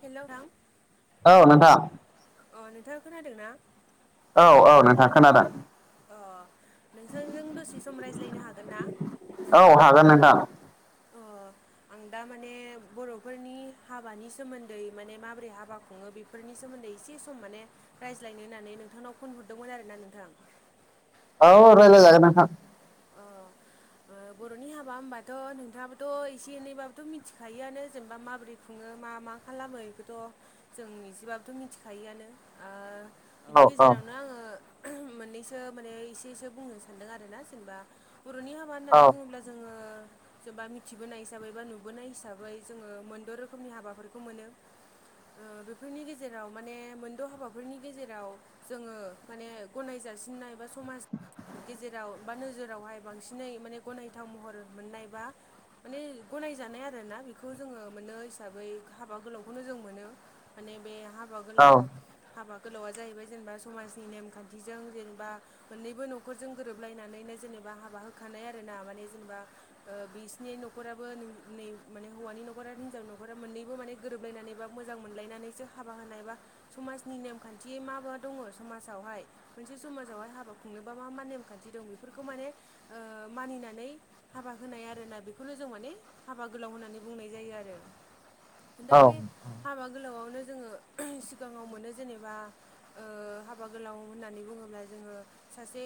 हेल' अ औ नोंथां नोंथाङा खोनादों ना औ औ नोंथां खोनादों अ नोंसांजों दसे सम रायज्लायनो हागोन ना औ हागोन नोंथां अ आं दा माने बर'फोरनि हाबानि सोमोन्दै माने माबोरै हाबा खुङो बेफोरनि सोमोन्दै एसे सम माने रायज्लायनो होननानै नोंथांनाव फन हरदोंमोन आरो ना नोंथां औ रायलाय जागोन नोंथां अ बर'नि हाबा होनबाथ' नोंथाङाबोथ' एसे एनैबाबोथ' मिथिखायोआनो जेनेबा माबोरै खुङो मा मा खालामो बेखौथ' जों एसेबाबोथ' मिथिखायोआनो ओ औ बिनि गेजेरावनो आङो मोननैसो माने एसेसो बुंनो सानदों आरो ना जेनेबा बर'नि हाबा औ होननानै बुङोब्ला जोङो जेनेबा मिथिबोनाय हिसाबै बा नुबोनाय हिसाबै जोङो मोनद' रोखोमनि हाबाफोरखौ मोनो। ओ बेफोरनि गेजेराव माने मोनद' हाबाफोरनि गेजेराव जोङो माने गनायजासिननाय बा समाज गेजेराव बा नोजोरावहाय बांसिनै माने गनायथाव महर मोननाय बा माने गनायजानाय आरो ना बेखौ जोङो मोननो हिसाबै हाबा गोलावखौनो जों मोनो। माने बे हाबा औ गोलाव हाबा गोलावा जाहैबाय जेनेबा समाजनि नेमखान्थिजों जेनेबा मोननैबो न'खरजों गोरोब गोरोब लायनानैनो जेनेबा हाबा होखानाय आरो ना माने जेनेबा। बिसिनि न'खराबो नै नै माने हौवानि नखर आरो हिनजावनि न'खरा मोननैबो माने गोरोबलायनानै बा मोजां मोनलायनानैसो हाबा होनाय बा समाजनि नेमखान्थि मा बा दङ समाजावहाय मोनसे समाजावहाय हाबा खुंनोबा मा मा नेम खान्थि दं बेफोरखौ माने ओ मानिनानै हाबा होनाय आरोना बेखौनो जों माने हाबा गोलाव होननानै बुंनाय जायो आरो औ दा बे हाबा गोलावआवनो जोङो सिगाङाव मोनो जेनेबा ओ हाबा गोलाव होननानै बुङोब्ला जोङो सासे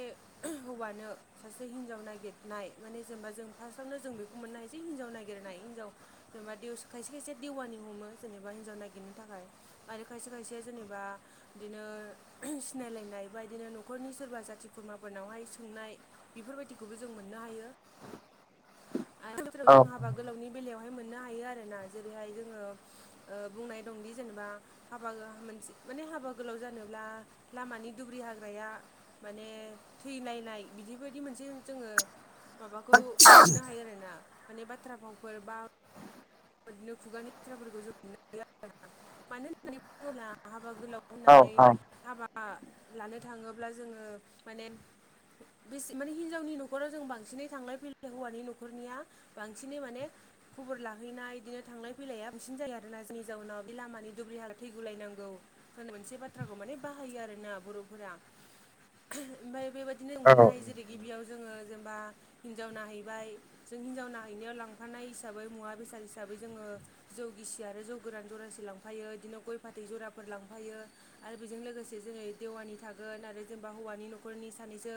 हौवानो सासे हिनजाव नागिरनाय माने जेनेबा जों फार्स्टआवनो जों बेखौ मोननो हायो जे हिनजाव नागिरनाय हिनजाव जेनेबाे देउस खायसे खायसे देवानि हमो जेनेबा हिन्जाव नागिरनो थाखाय आरो खायसे खायसे जेनेबा बिदिनो सिनायलायनाय बा बिदिनो न'खरनि सोरबा जाथि खुरमा नावहाय सोंनाय बेफोर बायदिखौबो जों मोननो हायो। आरो बोथोराव औ जों हाबा गोलावनि बेलायावहाय मोननो हायो आरो ना जेरैहाय जोङो। ओ बुंनाय दंदि जेनेबा हाबा मोनसे माने हाबा गोलाव जानोब्ला लामानि दुब्रि हाग्राया माने थै नायनाय बिदि बायदि मोनसे जोङो माबाखौ आरो ना माने बाथ्रा भावफोर बा बिदिनो खुगानि बाथ्राफोरखौ जों मोननो हायो आरोना। मानो होननानै बुङोब्ला हाबा गोलाव औ होननानै हाबा लानो थाङोब्ला जोङो माने बेसे माने हिनजावनि न'खराव जों बांसिनै थांलाय फैलाय हौवानि न'खरनिया बांसिनै माने खबर ला थांहैनाय बिदिनो थांलाय फैलाया बांसिन जायो आरो ना जोंनि जाउनाव बे लामानि दुब्रि हाग्रा थैगुलायनांगौ। होननाय मोनसे बाथ्राखौ माने बाहायो आरो ना बर'फोरा ओमफ्राय बेबायदि बिदिनो मोननो हायो जेरै गिबियाव जोङो जेनेबा हिनजाव नायहैबाय जों हिनजाव नायहैनायाव लांफानाय हिसाबै मुवा बेसाद हिसाबै जोङो जौ गिसि आरो जौ गोरान जरासे लांफायो इदिनो गय फाथै जराफोर लांफायो। आरो बेजों लोगोसे जोङो देवानि थागोन आरो जेनेबा हौवानि न'खरनि सानैसो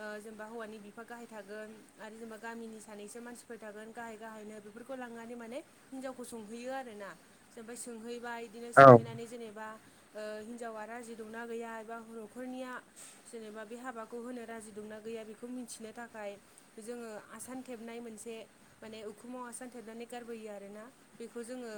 ओ जेनेबा हौवानि बिफा गाहाय थागोन आरो जेनेबा गामिनि सानैसो मानसिफोर थागोन गाहाय गाहायनो बेफोरखौ लां नानै माने हिनजावखौ संहैयो आरोना जाय सोंहैबाय बिदिनो सोंहैनानै जेनेबा ओ हिन्जावा राजि दंना गैया एबा ह'नखरनिया जेनेबा बे हाबाखौ होनो राजि दंना गैया बेखौ खौ मिथिनो थाखाय जोङो आसान थेबनाय मोनसे माने उखुमाव आसान थेबनानै गारबोयो आरोना बेखौ जोङो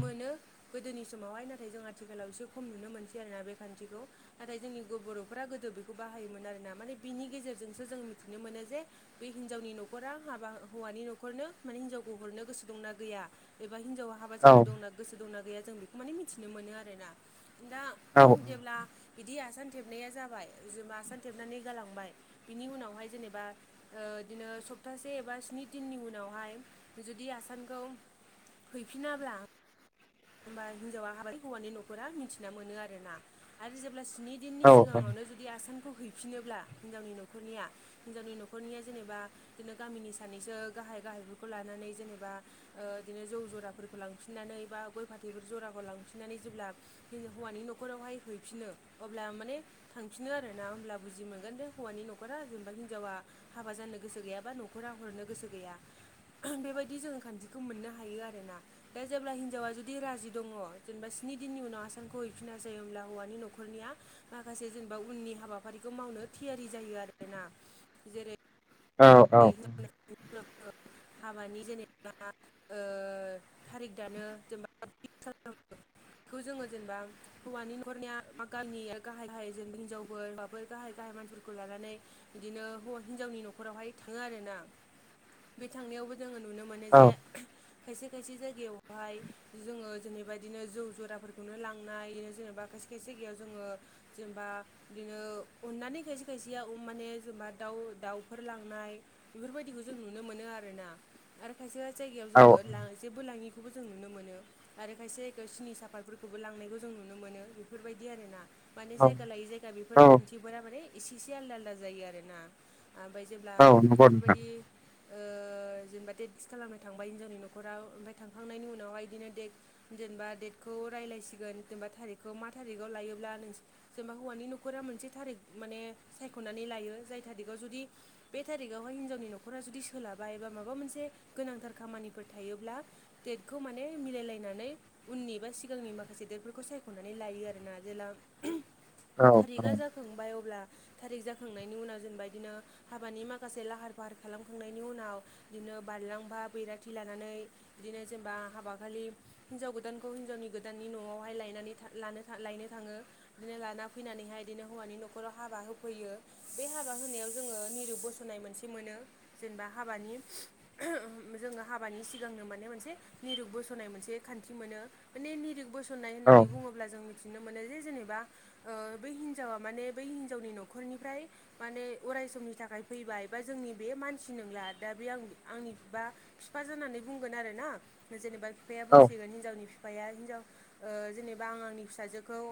मोनो गोदोनि समावहाय नाथाय जों आथिखालाव एसे खम नुनो मोनसै आरोना बे खान्थिखौ। नाथाय जोंनि बर'फ गोदो बेखौ बाहायोमोन आरोना माने बिनि गेजेरजोंसो जों मिथिनो मोनो जे बे हिनजावनि न'खरा हाबा हौवानि न'खरनो माने हिनजाव गहरनो गोसो दंना गैया एबा हिन्जावा हाबा जानो दंना गोसो दंना गैया जों बेखौ माने मिथिनो मोनो आरोना दा औ जेब्ला बिदि आसान थेबनाया जाबाय जेनेबा आसान थेबनानै गालांबाय बिनि उनावहाय जेनेबा ओ बिदिनो सप्तासे एबा स्नि दिननि उनावहाय जुदि आसानखौ हैफिनाब्ला होमबा हिनजावा हाबाय हौवानि न'खरा मिथिना मोनो आर ना आरो जेब्ला स्नि दिननि सिगाङावनो जु दि आसानखौ हैफिनोब्ला हिनजावनि न'खरनिया हिनजावनि न'खरनिया जेनेबा बिदिनो गामिनि सानैसो गाहाय गाहायफोरखौ लानानै जेनेबा ओ बिदिनो जौ जराफोरखौ लांफिननानै बा गय फाथैफोर जराखौ लांफिननानै जेब्ला बेलेग हौवानि न'खरावहाय हैफिनो अब्ला माने थांफिनो आरो ना होमब्ला बुजि मोनगोन दे हौवानि न'खरा जेनेबा हिन्जावा हाबा जानो गोसो गैयाबा न'खरा हरनो गोसो गैया। बेबायदि जोङो खान्थिखौ मोननो हायो आरोना दा जेब्ला हिनजावा जु दि राजि दङ जेनेबा स्नि दिननि उनाव आसानखौ हैफिनासै जहोमब्ला हौवानि न'खरनिया माखासे जेनेबा उननि हाबाफारिखौ मावनो थियारि जायो आरोना जेरै [unintelligible] [unintelligible] हाबानि जेनेबा ओ थारिख दानो जेनेबा [unintelligible] खौ जोङो जेनेबा हौवानि न'खरनिया मा गाबनि राओ गाहाय गाहाय जेनेबा हिनजावफोर फोर गाहाय गाहाय मानसिफोरखौ लानानै बिदिनो हौव हिन्जावनि न'खरावहाय थाङो आरोना बे थांनायावबो जोङो नुनो मोनो औ जे खायसे खायसे जायगायावहाय जोङो जेनेबा बिदिनो जौ जराफोरखौनो लांनाय जेनेबा खायसे खायसे जायगायाव जोङो जेनेबा बिदिनो अननानै खायसे खायसेया माने जेनेबा दाउ दाउफोर लां बेफोर बादिखौ जों नुनो मोनो आरोना आरो खाइसे खाइसे जाइगायाव जोंङो जेबो लाङिखौबो जों नुनो मोनो। आरो खायसे जायगायाव सिनि साफातफोरखौबो लांनायखौ जों नुनो मोनो बेफोरबायदि आरो ना। माने जायगा लायै जायगा बेफोर खान्थिफोरा माने एसे एसे आलदा आलदा जायो आरोना ओमफ्राय जेब्ला नंगौ नोंथां बेफोरबायदि ओ जेनबा देट थि खालामनो थांबाय हिनजावनि नखराव ओमफ्राय थांखांनायनि उनावहाय बिदिनो दे जेनेबा डेटखौ राय्लायसिगोन जेनेबा थारिखखौ मा थारिखाव लायोब्ला नों जेनेबा हौवानि न'खरा मोनसे थारिख माने सायख'नानै लायो जाय थारिगआव जुदि बे थारिक आवहाय हिनजावनि न'खरा जुदि सोलाबा एबा माबा मोनसे गोनांथार खामानिफोर थायोब्ला डेटखौ माने मिलायलायनानै उननि बा सिगांनि माखासे देरफोरखौ सायख'नानै लायो आरोना जेला औ थारिखआ जाखांबाय अब्ला थारिख जाखांनायनि उनाव जेनेबादिनो हाबानि माखासे लाहार फाहार खालामखांनायनि उनाव बिदिनो बारलांबा बैराथि लानानै बिदिनो जेनेबा हाबाखालि हिनजाव गोदानखौ हिनजावनि गोदाननि न'आवहाय लायनानै थ लायनो थाङो। बिदिनो लाना फैनानैहाय बिदिनो हौवानि न'खराव हाबा होफैयो बे हाबा होनायाव जोङो निरिथ बस'नाय मोनसे मोनो जेनेबा हाबानि जोङो हाबानि सिगांनो माने मोनसे निरुग बोस'नाय मोनसे खान्थि मोनो। माने निरिक बोसननाय औ होननानै बुङोब्ला जों मिथिनो मोनो जे जेनेबा ओ बै हिनजावा माने बै हिनजावनि न'खरनिफ्राय माने अराय समनि थाखाय फैबाय बा जोंनि बे मानसि नंला दा बे आं आंनि बा बिफा जानानै बुंगोन आरो ना जेनेबा बिफाया औ बुंसिगोन हिनजावनि बिफाया हिनजाव ओ जेनेबा आं आंनि फिसाजोखौ ओ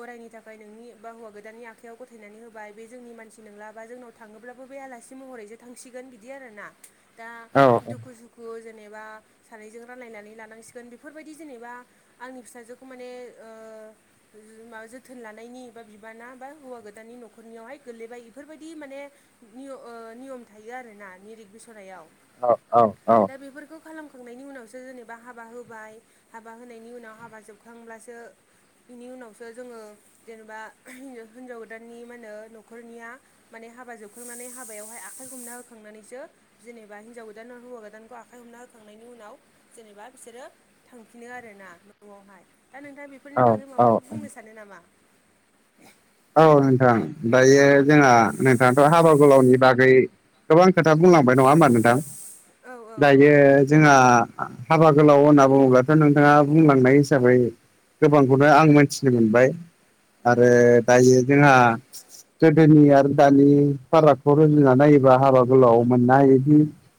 अरायनि थाखाय नोंनि बा हौवा गोदाननि आखाइयाव गथायनानै होबाय बे जोंनि मानसि नोंला। बा जोंनाव थांङोल्बाबो बे आलासि महरैसो थांसिगोन बिदि आरो ना दा औ दुखु सु खु जेनेबा सानैजों रायलायनानै लानांसिगोन बेफोरबायदि जेनेबा आंनि फिसाजोखौ माने ओ माबा जोथोन लानायनि बा बिबाना बा हौवा गोदानानि न'खरनियावहाय गोगलैबाय फोरबायदि माने निय ओ नियम थायो आर ना निरिग बिसनायाव। औ औ औ। दा बेफोरखौ खालामखांनायनि उनावसो जेनेबा हाबा होबाय हाबा होनायनि उनाव हाबा जोबखांब्लासो बिनि उनावसो जोङो जेनेबा होनजाव हिनजाव गोदाननि मा होनो न'खरनिया माने हाबा जोबखांनानै हाबायावहाय आखाइ हमना होखांनानैसो जेनेबा हिन्जाव गोदान हौवा गोदानखौ आखाइ हमना होखांनायनि उनाव जेनेबा बिसोरो थांफिनो आरोना न'आवहाय। दा नोंथाङा औ बेफोरनि बागै माबाफोर बुंनो सानो नामा? औ नोंथां। दायो जोंहा नोंथाङाथ' हाबा गोलावनि बागै गोबां खोथा बुंलांबाय नङा होमबा नोंथां। औ औ औ दायो जोंहा हाबा गोलाव होनना बुङोब्लाथ' नोंथाङा बुंलांनाय हिसाबै गोबांखौनो आं मोनथिनो मोनबाय औ आरो दायो जोंहा गोदोनि आरो दानि फारागखौ रुजुना नायोबा हाबा गोलाव मोननो हायोदि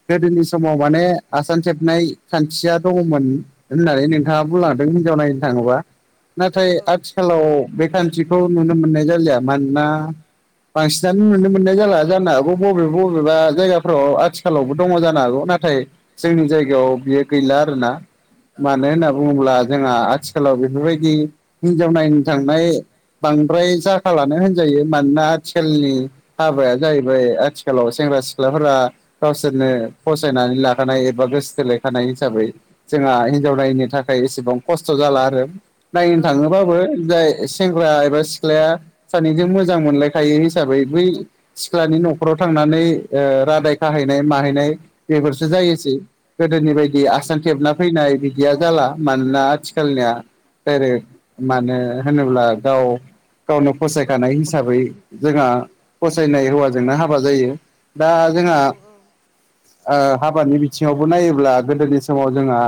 गोदोनि समाव माने आसान थेबनाय सान्थिया दङमोन होननानै नोंथाङा बुंलांदों। हिनजाव नायनो थाङोबा। औ नाथाय औ रैखाथिखौ मोननाय जालिया मानोना आथिखालाव बे खान्थिखौ नुनो मोननाय जालिया। मानोना बांसिनानो नुनो मोननाय जाला जानो हागौ बबेबा बबेबा जायगाफ्राव आथिखालावबो दङ जानो हागौ नाथाय औ जोंनि जायगायाव बियो गैला आरोना। औ मानो होनना बुङोब्ला जोंहा आथिखालाव बेफोरबायदि हिनजाव नायनो थांनाय बांद्राय जाखालानो होनजायो। मानोना आथिलनि हाबाया जाहैबाय आथिखालाव सेंग्रा सिख्लाफोरा गावसोरनो फसायनानै लाखानाय एबा गोसो थोलायखानाय हिसाबै जोंहा हिनजाव नायनि थाखाय एसेबां खस्थ' जाला आरो। औ नायनो औ थाङोबाबो जाय ख्रा एबा सिख्लाया सानैजों मोजां मोनलायखायो हिसाबै बै सिख्लानि न'खराव थांनानै रादाय खाहैनाय माहैनाय बेफोरसो जायोसै। गोदोनि बायदि उम आसान थेबना फैनाय गैया जाला मानोना आथिखालनिया डायरेक्ट मानो होनोब्ला गाव गावनो फसायखानाय हिसाबै जोंहा फसायनाय हौवाजोंनो हाबा जायो दा जोंहा औ आ हाबानि बिथिङावबो नायोब्ला गोदोनि समाव जोंहा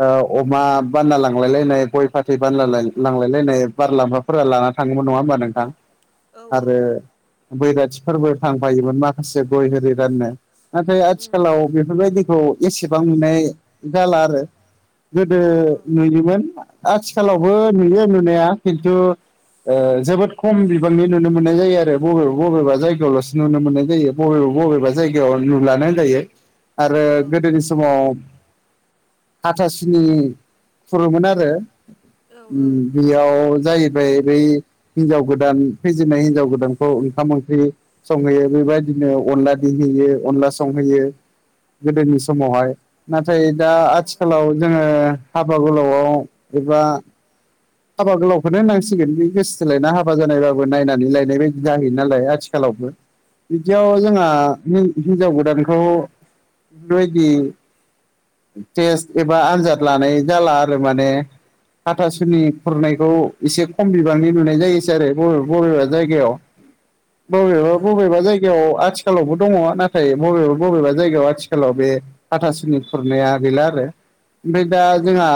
अमा बानना लांलायलायनाय गय फाथै बानला लांलायलायनाय बारलामफा फोरा लाना थाङोमोन नङा होमबा नोंथां औ आरो बैराथिफोरबो थांफायोमोन माखासे गय होरि राननो। नाथाय उम आथिखालाव बेफोरबायदिखौ एसेबां नुनाय जाला आरो। गोदो औ नुयोमो। आथिखालावबो नुयो नुनाया खिन्थु ओ जोबोद खम बिबांनि नुनो मोननाय जायो आरो। बबेबा बबेबा जायगायावल'सो नुनो मोननाय जायो। बबेबा बबेबा जायगायाव नुलानो होनजायो आरो औ गोदोनि समाव हाथासुनि खुरोमोन आरो बेयाव जाय फ्राय बै हिनजाव गोदान फैजेननाय हिनजाव गोदानखौ ओंखाम ओंख्रि संहैयो बेबायदिनो अनला देहोयो अनला संहैयो। गोदोनि समावहाय। नाथाय दा आथिखालाव जोङो हाबा गोलावआव एबा हाबा गोलावखौनो हाननांसिगोन बे गोसोथोलायना हाबा जानायबाबो नायनानै लायनाय बायदि जाहैयो नालाय आथिखालावबो। [inaudible] बिदियाव जोंहा हि-हिनजाव गोदानखौ बेबायदि टेस्ट एबा आनजाद लानाय जाला आरो माने हाथासुनि खुरनायखौ एसे खम बिबांनि नुनाय जायोसै आरोे बबेबा जायगायाव। बबेबा बबेबा जायगायाव आथिखालावबो दङ। नाथाय बबेबा बबेबा जायगायाव आथिखालाव बे हाथासनि खुरनाया गैला आरो ओमफ्राय दा जोंहा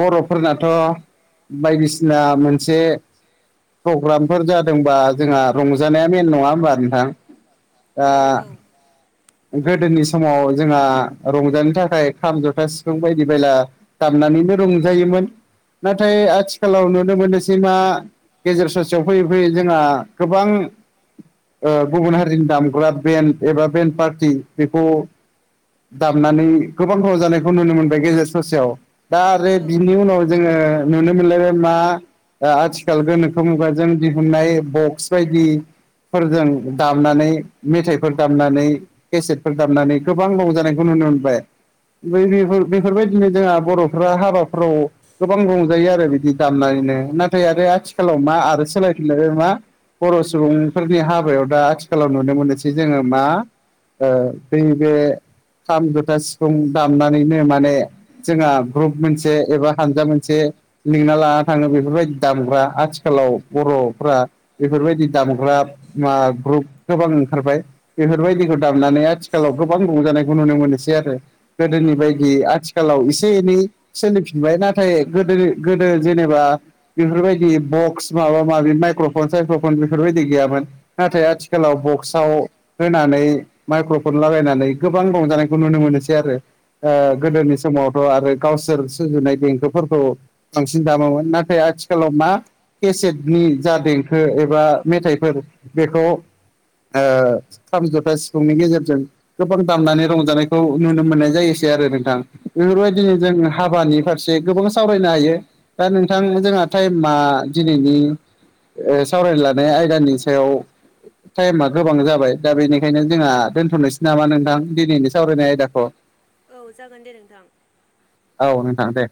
बर'फोरनाथ' बायदिसिना मोनसे प्रग्रामफोर जादोंबा जोंहा रंजानाया मेन नङा होमबा नोंथां? दा औ गोदोनि समाव जोंहा रंजानो थाखाय खाम जथा सिफुं बायदि बायला दामनानैनो रंजायोमोन नाथाय आथिखालाव नुनो मोनोसै मा गेजेर ससेयाव फैयै फैयै जोंहा गोबां गुबुन हारिनि दामग्रा बेन्ड एबा बेन्ड पार्टि बेखौ दामनानै गोबां रंजानायखौ नुनो मोनबाय गेजेर ससेयाव दा आरो औ औ बिनि उनाव जोङो नुनो मोनलायबाय मा दा आथिखाल गोनोखो मुगा जों दिहुननाय बक्स बायदि फोरजों दामनानै मेथाइफोर दामनानै केसेटफोर दामनानै गोबां रंजानायखौ नुनो मोनबाय। बै बेफोर बेफोरबायदिनो जोंहा बर'फ्रा हाबाफ्राव गोबां रंजायो आरो बिदि दामनानैनो नाथाय आरो आथिखालाव औ मा आरो सोलायफिनलायबाय मा बर' सुबुंफोरनि हाबायाव दा आथिखालाव नुनो मोनोसै जोङो मा ओ दै बे खाम जथा सिफुं दामनानैनो माने जोंहा ग्रुप मोनसे एबा हानजा मोनसे लिंना लाना थाङो बेफोरबायदि दामग्रा आथिखालाव बर'फ्रा बेफोरबायदि दामग्रा मा ग्रुप गोबां ओंखारबाय बेफोरबायदिखौ दामनानै आथिखालाव गोबां रंजानायखौ नुनो मोनोसै आरो। औ गोदोनि बायदि आथिखालाव एसे एनै सोलिफि फिनबाय नाथाय गोदो-गोदो जेनेबा बेफोरबायदि बक्स माबा माबि माइक्र'फन साइक्र'फन बेफोरबायदि गैयामोन। नाथाय आथिखालाव बक्सआव होनानै माइक्र'फन लागायनानै गोबां रंजानायखौ नुनो मोनोसै आरो। गोदोनि समावथ' आरो गावसोर सुजुनाय देंखोफोरखौ बांसिन दामोन नाथाय आथिखालाव मा केसेटनि जा देंखो एबा मेथाइफोर बेखौ खाम जथा सिफुंनि गेजेरजों गोबां दामनानै रंजानायखौ नुनो मोननाय जायोसै आरो नोंथां औ औ बेफोरबायदिनो जोङो हाबानि फारसे गोबां सावरायनो हायो दा नोंथां जोंहा टाइमा दिनैनि सावरायनो लानाय आयदानि सायाव टाइमा गोबां जाबाय दा बेनिखायनो जोंहा दोनथ'नोसै नामा नोंथां दिनैनि सावरायनाय आयदाखौ? औ जागोन दे नोंथां। औ नोंथां दे।